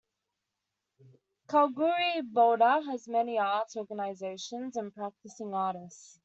Kalgoorlie-Boulder has many arts organisations and practising artists.